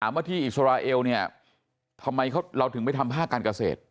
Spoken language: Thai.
ว่าที่อิสราเอลเนี่ยทำไมเราถึงไปทำภาคการเกษตร